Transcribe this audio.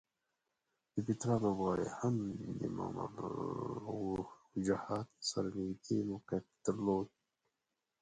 د پیترا لوبغالی هم د ممر الوجحات سره نږدې موقعیت درلود.